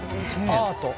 アート。